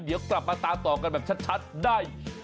เดี๋ยวกลับมาตามต่อกันแบบชัดได้